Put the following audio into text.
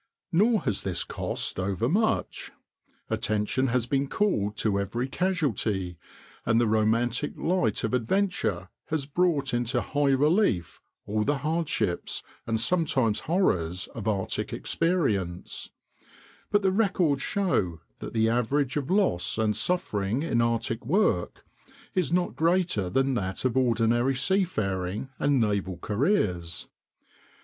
Nor has this cost over much. Attention has been called to every casualty, and the romantic light of adventure has brought into high relief all the hardships and sometimes horrors of Arctic experience; but the records show that the average of loss and suffering in Arctic work is not greater than that of ordinary seafaring and naval careers.